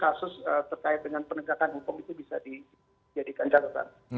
kasus terkait dengan penegakan hukum itu bisa dijadikan catatan